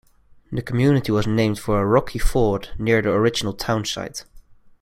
The community was named for a rocky ford near the original town site.